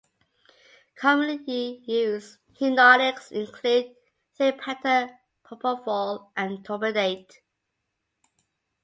Commonly used hypnotics include thiopental, propofol and etomidate.